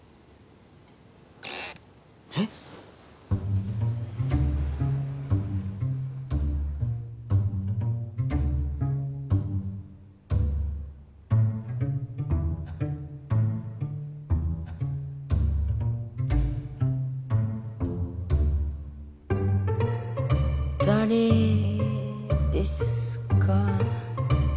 えっ⁉だれですか？